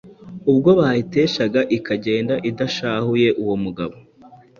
ubwo bayiteshaga ikagenda idashahuye uwo mugabo